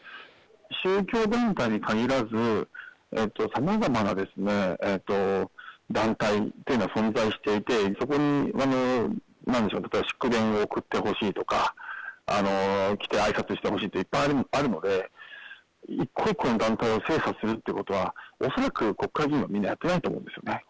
宗教団体にかぎらず、さまざまな団体っていうのは存在していて、そこになんでしょう、例えば祝電を送ってほしいとか、来てあいさつしてほしいっていっぱいあるので、一個一個の団体を精査するということは、恐らく国会議員はみんな、やってないと思うんですよね。